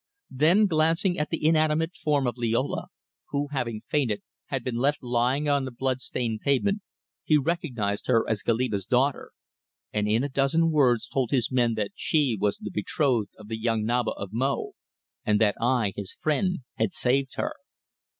Then, glancing at the inanimate form of Liola, who, having fainted, had been left lying on the blood stained pavement, he recognized her as Goliba's daughter, and in a dozen words told his men that she was the betrothed of the young Naba of Mo, and that I, his friend, had saved her.